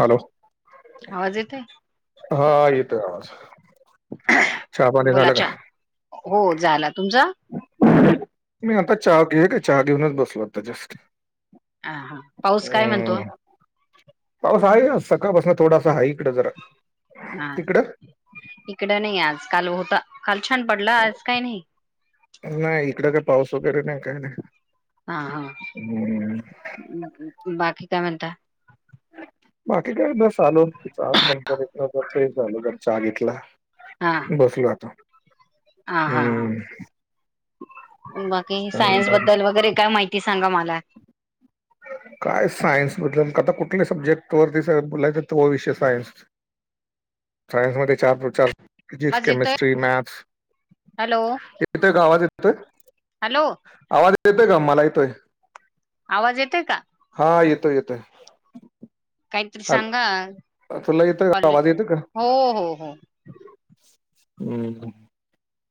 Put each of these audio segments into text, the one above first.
Hello आवाज येतय हा येतोय का आवाज. चाहा पाणी झालं का. बोलाच्या हो झालं तुमच. मी आता चहा घे का चहा घेऊनच बसलो आता जस्ट. हा हा पाऊस काय म्हणतो. हम्म. पाऊस आहे, का सकाळ बसण थोडासा हाय. हा इकडं नाही आज काल होत. काल छान पडलं आज काही नाही. नाही इकड काही पाऊस वगैरे नाही काही नाही. हा हा हम्म. बाकी काय म्हणता. बाकी काय चालू [unintelligible] च कंपनीत जर तेे झाल तर चहा घेतला हा बसलो आता. हा हा हम्म. बाकी सायन्स बद्दल वगैरे काय माहिती! सांग मला. काय सायन्स बद्दल आता कुठल्या सब्जेक्ट वरती बोलायचं तो विषय सायन्स. सायन्समध्ये चार प्रचार फिजिक्स, आवाज येतोय केमिस्ट्री, मॅथ्स. हॅलो येतोय ग आवाज येतोय हॅलो आवाज येतय ग मला येतोय. आवाज येतोयका? हा येतोय येतोय काहीतरी हॅल सांगा, तुला येतं का कल आवाज येतं का? हो हो हो हम्म.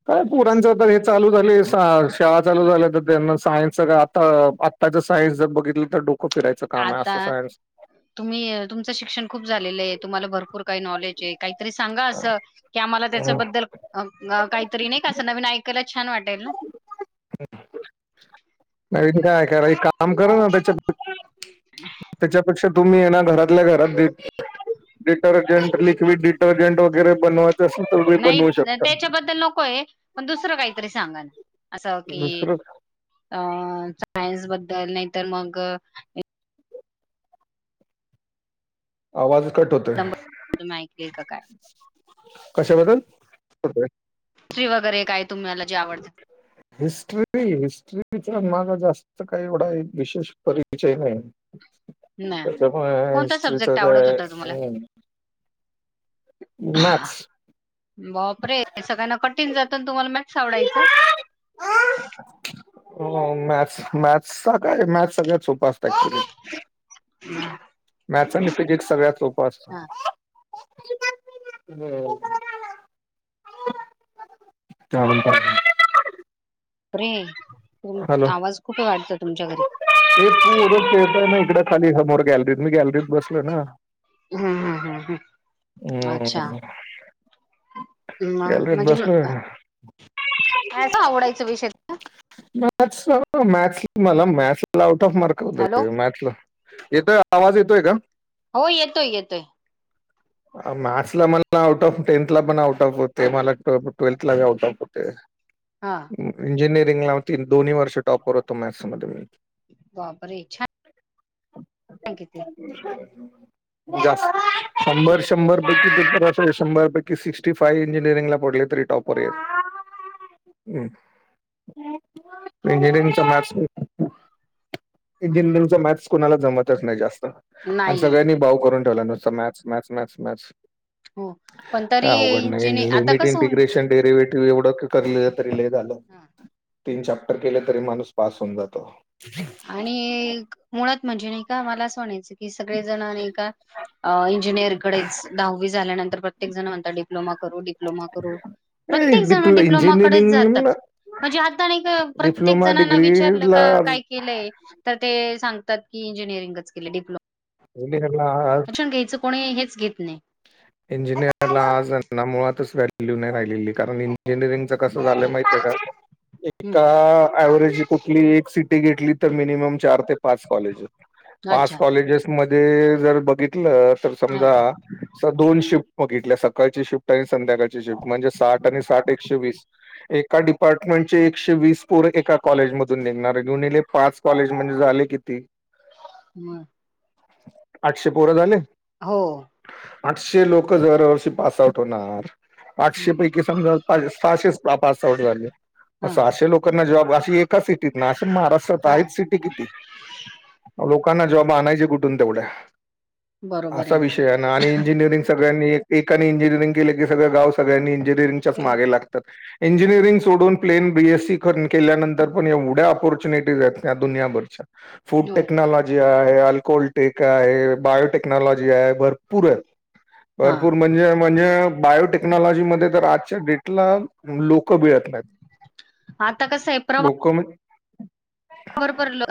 काय पोरांच तर हे चालू झाले, शाळा चालू झाल्या तर त्यांना सायन्सच आता आता सायनस जर बघितलं तर डोकं फिरायचं काम आहे असं आता सायन्स तुम्ही अ, तुमचं शिक्षण खूप झालेलं आहे तुमला भरपूर का नॉलेज आहे काही सांगा अस की आम्हाला त्याच्याबद्ल काहीतरी नाही का काहीतरी नवीन ऐकायला छान वाटेल ना म का का काम करा ना त्याच्या, त्याच्यापेक्षा तुम्ही ये ना घरातल्या घरात द डिटर्जेंट लिक्विड, डीटर्जेंट वगैरे बनवा. नाही त्याच्याबद्दल नको आहे पण दुसरं काहीतरी सांगा ना असं की दुसरं अ सायन्स बद्ल नाही तर मग आवाज कट होतोय. ऐकले का काय? कशाबद्दल होतय? हिस्ट्री वगैरे काय तुम्हाला जे आवडतं हिस्ट्री हिस्ट्री हिस्टरी चा न माझा जास्त काही एवढा विशेष परिचय नाही नाही त्याच्यामुळे कोणता हिस्ट्रीच सब्जेक्ट आवडत काय होता तुम्हाला हम् मॅथ्स बापरे सगळ्यांना कठीण जातं तुम्हाला मॅथ्स मॅथ आवडायचं हो मॅथस मॅथ काय मॅथ सगळ्यात सोपं हा. मॅथ्स आणि फिजिक सगळ्यात सोपं असतं. हो. चालेल अरे तु हॅलो. आवाज खुप वाटतं तुमच्या घरी तिकडं खाली समोर गॅलरीत मी गॅलरीत बसलो हम्म हम्म हम्म अच्छा ना--हम मग गॅलरीत म्हणजे बसलो आहे ना आवडायं विषय मॅथ्स मॅथस मला मॅथ लाव आऊट ऑफ मार्क होत हॅलो मॅथला, येतोय आवाज येतोय का? हो येतोय येतोय ह मॅथ्स ला मला आउट ऑफ टें्थला पण आउट ऑफ होते मला ट्वेल्थला आउट ऑफ होते हा इंजिनिअरिंग ला होती दोन्ही वर्ष टॉपवर होत मॅ्थ्स मध्ये मी बाबरेच छान [inaudible] किती जास् शंभर शंभर पैकी पेपर अस शंभर पैकी सिक्स्टी फायव्ह इंजिनिअरिंगला पडले होते टॉपर रेत इंजिनियरिंगच्या मॅथस इंजिनिअरिंगचा मॅथस कोुणाला जमतच नाही जास्त आणि नाही सगळ्यांनी भाऊ करून ठेवला नुसत मॅथ्स मॅथ्स मॅथ्स हो. पण काय तरी अवघड इंजिनि नाही आता लिमिट कसं होऊन इंटिग्रेशन डेरेवेटिव्ह एवढं करलं तरी ल झालं हा तीन चॅप्टर केले तरी माणूस पास होऊन जातो. आणि मुळात म्हणजे, नाही का मला असं म्हणायचं? ही सगळे जण आणि का इंजिनिअर कडेच दहावी झाल्यानंतर प्रत्येक जण म्हणता डिप्लोमा डिप्लोमा डिप्लोमा करू ए, प्रत्येक, जण डिप्लो डप्लोमा कडेच जातात. इंजिनिअरिंग म्हणजे, आता ना का प्रत्येक डिप्लोमा जणांना विचारलं डिग्रीला का काय केलंय तर ते सांगतात की, इंजिनिअरिंगच केलयं डिप्लोमा शिक्षण घ्यायचं [unintelligible] कोणी हेच घेत नाही. इंजिनियरला ना आज हेना मुळातच वॅल्यू नाही, राहिलेली कारण इंजिनिअरिंगचं कसं झालं माहिती आहे का? हम्म एका अव्हेरज कुठली एक सिटी घेतली, तर मिनिमम चार ते पाच कॉलेजेस पाच अच्छा कॉलेजेस मध्ये जर, बघितलं तर हा समजा दोन शिफ्ट बघितल्या सकाळची शिफ्ट आणि संध्याकाळची शिफ्ट म्हणजे, साठ आणि साठ एकशे वीस एका डिपार्टमेंट चे एकशे वीस पोर एका कॉलेज मधून निघणार, गुनूले पाच कॉलेज म्हणजे झाले किती? [unintelligible] व्हयं. आठशे पोर झाले. हो. आठशे लोक दरवर्षी पास आउट होणार. आठशे पैकी समजा सहाशेच पास आउट झाले, मग हा सहाशे लोकांना जॉब अशी एका सिटीतनं अशे महाराष्ट्रात हा आहेत सिटी किती? लोकां - ना जॉब आणायचे कुठून तेवढ्या, बरोबर असा आहे विषय हाय ना आणि इंजिनिअरिंग सगळ्यांनी एकानी इंजिनिअरिंग केले की सगळं गाव सगळ्यांनी इंजिनिअरिंगच्याच मागे लागतात. इंजिनिअरिंग सोडून प्लेन बी एस सी कर केल्यानंतर पण एवढ्या ऑपॉर्च्युनिटीज आहेत त्या दुनियाभरच्या. फुड हो टेक्नॉलॉजी आहे. अल्कोलटेक आहे, बायोटेक्नॉलॉजी आहे भरपूर आहेत. हा भरपूर म्हणजे म्हणजे बायोटेक्नॉलॉजी मध्ये तर आजच्या डेटला लोकं मिळत नाहीत. आता कसंय आहे प्रवा लोक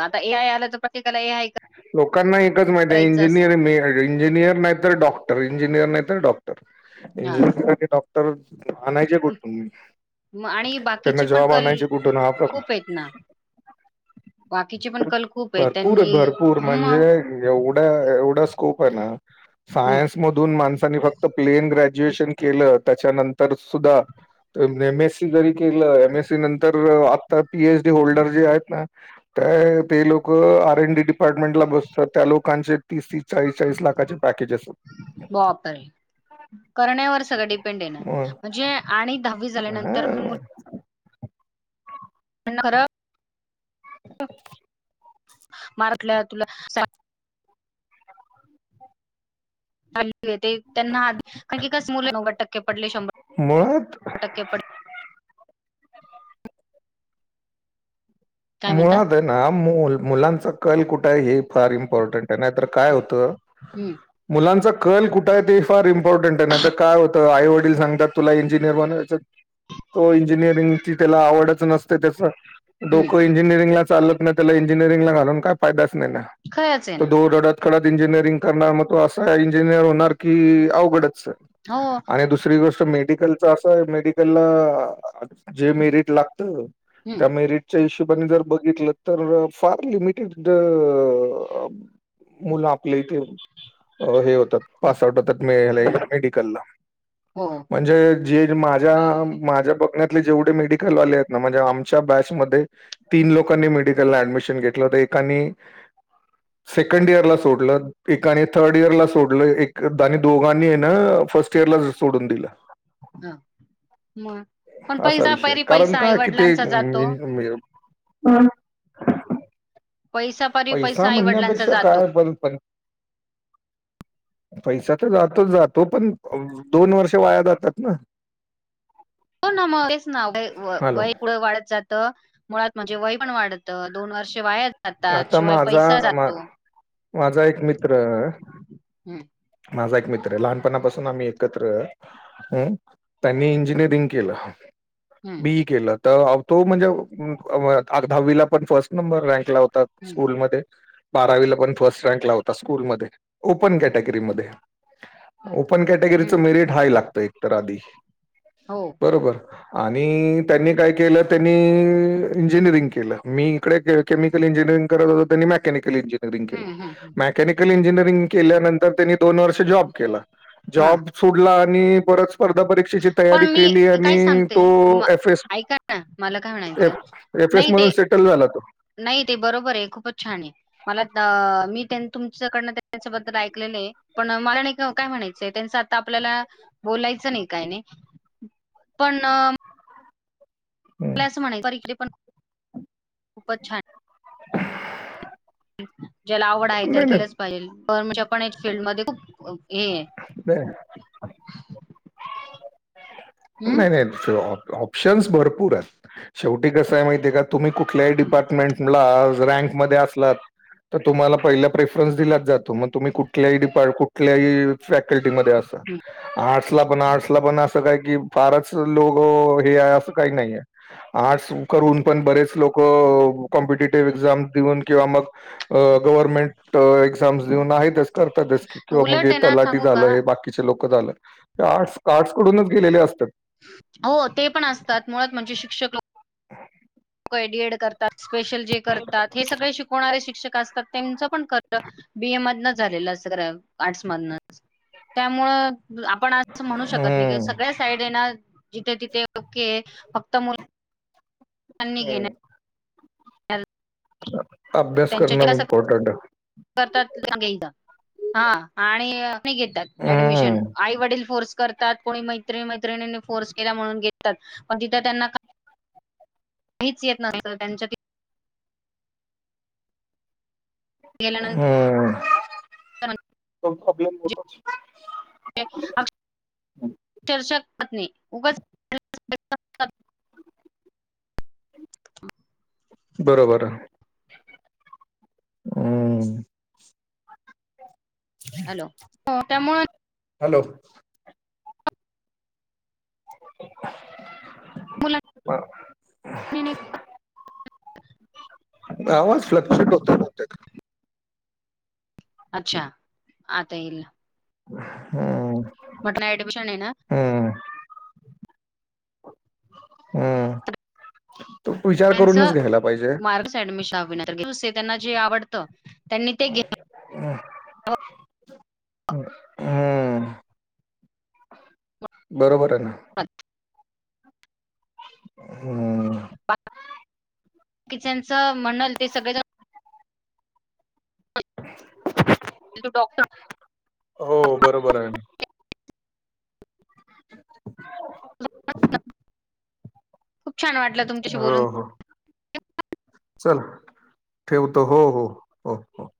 आता ए आय आलं तर प्रत्येकाला हे आहे का लोकांना एकच माहित आहे इंजिनियर मेन हाय इंजिनियर नाही तर डॉक्टर इंजिनियर नाही तर डॉक्टर हा. इंजिनिअर आणि डॉक्टर आणायच्या कुठून? मग आणि त्यांना बाकीचे पण जॉब कल आणायचे कुठून हा प्रकार खूप आहेत ना. बाकीचे पण कल खूप आहे त्यांनी पूर म्हणजे म एवढा एवढा स्कोप आहे ना सायन्स मधून माणसांनी फक्त प्लेन ग्रॅज्युएशन केलं त्याच्यानं तर सुद्धा एम एस सी जरी केलं एम एस सी नंतर आता पी एच डी होल्डर जे आहेत ना, त्या ते लोकं R N D D department ला बसतात त्या लोकांचे तीस तीस चाळीस चाळीस लाखाचे पॅकेज असत. बापरे करण्यावर सगळं डिपेंड आहे ना. हो, म्हणजे आणि दहावी झाल्यानंतर हा. [unintelligible] मराठल्या तुला सा येते त्यांना आधी कारण कसयं मुलं नव्वद टक्के पडले शंभ मुळात टक्के पड काय म्हणता मुळात आहे ना मूल मुलांचं कल कुठायं आहे हे फार इम्पॉर्टंट आहे नाहीतर काय होतं, हम्म मुलांचं कल कुठंय आहे ते फार इम्पॉर्टंट आहे ना आता काय होतं आई वडील सांगतात तुला इंजिनियर बनवायचं. तो इंजिनिअरिंगची त्याला आवडच नसते त्याच हम्म इंजिनिअरिंग चालत नाही त्याला इंजिनिरंगला घालून काय फायदाच नाही खरंच आहे तो ना दोडत कडत इंजिनिअरिंग करणार मग तो असा इंजिनिअर होणार की अवघडत हो आणि दुसरी गोष्ट मेडिकलच असं मेडिकलला जे मेरिट लागत हम्म त्या मेरिट हिशबाने जर बघितलं तर फार लिमिटेड मुलं आपले इथे हे होतात पास आउट होतात मेडिकलला हो म्हणजे जे माझ्या माझ्या ब जेे मेडल आ त लोकां मडम सेकंड इयरला सोडलं एकाने थर्ड इयरला सोडलं एकदानी दोघांनी ना फर्स्ट इयरला सोडून दिलं ह मग पण असा पैसा विषय परी कारण पैसा काय कि ते आईवडिलांचा जातो पैसा परी पैसा आईवडिलांचा म्हणण्यापेक्षा जातो. काय पर प पैसा तर जातोच जातो पण दोन वर्ष वाया जातात ना हो ना मगच ना हॅलो वय पुढं वाढत जात मुळात म्हणजे वय पण वाढतं दोन वर्षे वाया जातात आता शिवाय पैसा माझा मा- जातो माझा एक मित्र हम्म माझा एक मित्र आहे लहानपणापासून आम्ही एकत्र त्यांनी इंजिनिअरिंग केलं हम्म बी केलं तर तो म्हणजे दहावीला पण फर्स्ट नंबर रँक ला हो हम्म स्कूलमध्ये बावीला पण फट रँक लावता स्कूल म ओपन कॅटेगरी म हम्म कॅटेगरीचं मेरट हाय लागतं एक तर आधी हो बरोबर आणि त्यांनी काय केलं त्यांनी इंजिनिअरिंग केलं मी इकडे म हम्म हम्म हम्म. ज ची हा पण तयारी मी केली काय आणि सांगते म तोफ ऐका ना मला काय म्हणायचं एसफ एस नाही म्ह ते सेटल झाला तो नाही ते बरोबर आहे खूपच छान आहे मला मी तुमच्याकडन त्यांच्याबद्दल ऐकलेले आहे पण मला नाही काय म्हणायचंय त्यांच आता आपल्याला बोलायचं नाही काय नाही पण हं. मला असं म्हणा परिक्रय पण खूपच छान आहे ज्याला आवड आहे त्यां नाही केलंच पाहिजे पण म्हणजे पण फीलल्डमध्येध्ये खूप हे आहे बर नाही हम्म नाही ऑप्शन्स भरपूर आहेत शेवटी कस आहे माहिती आहे का तुम्ही कुठल्याही डिपार्टमेंटला रँकमध्येध्ये असलात तर तुम्हाला पहिला प्रेफरन्स दिलाच जातो मग तुम्ही कुठल्याही ि कुठल्याही फॅकल्टी र् पण आर्ला पण अस काय क फारच लोग हे आहे असं काही नाही आहे आर्ट्स करून पण बरेच लोकं कॉम्पिटेटिव्ह एक्झाम देऊन किंवा मग गव्हर्नमेंट एक्झाम्स देऊन आहेस करतातस की किंवा मग उलट आहे ना तलाट सांगू का झालं आहे बाकीचे लोक डूनच गे अस हो ते पण असतात मुात म्हणजे शिक्षक ह स्ेशल जे करात हे सगळे शिकवणारे शिक्षक असतात त्यांच पण ख बीए मधनच झालेलं असं आर्टसमधनच त्यामुळं आपण असं म्हणू शकत नाही कि हम्म सगळ्या साईड ना जिथे तिथे ओके फक्त मुल हम्म [unintelligible] [inaudible] त्यांच्या कड करणं अस इम्पॉर्टंट करतात अनेकदा हा आणि घेतात ऍडमिशन हम्म आई वडील फोर्स करतात कोणी मैत्री मैत्रिन मैत्रिणीनी फोर्स केला म्हणून घेतात पण तिथं त्यांना काहीच येत नसत त्यांच्या ते गेल्यानं हम्म [unintelligible] [unintelligible] चर्षक पत्नी उगच [unintelligible] [inaudible] बरोबर, हम्म. हॅलो, हो त्यामुळे हॅलो. मुलांनी बर. नाही आवाज फ्लक्चुएट होतोय बहुतेक. अच्छा! आता येईल. हा. म्हटल ऍडमिशन आहे ना. हम्. त्यांच मार्च च ऍडमिशन आहे टू सेट त्यांना जे आवडत त्यांनी ते घ्यावं. हम, हम. बरोबर आहे. पात हम्. किचनचं म्हणल ते सगळे जन [inaudible] तो डॉक्टर हो बरोबर आहे. खूप छान वाटलं तुमच्याशी हो बोलून. हो चल ठेवतो हो हो हो हो.